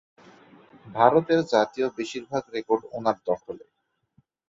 ভারতের জাতীয় বেশিরভাগ রেকর্ড ওনার দখলে।